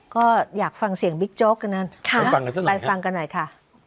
ก็อยากฟังเสียงบิ๊กโจ๊กกันนั้นไปฟังกันหน่อยค่ะ